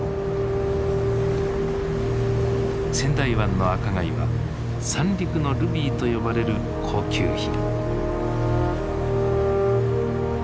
仙台湾の赤貝は三陸のルビーと呼ばれる高級品。